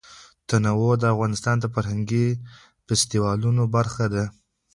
تنوع د افغانستان د فرهنګي فستیوالونو برخه ده.